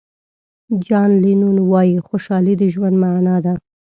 جان لینون وایي خوشحالي د ژوند معنا ده.